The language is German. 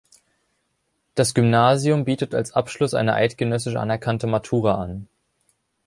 Das Gymnasium bietet als Abschluss eine eidgenössisch anerkannte Matura an.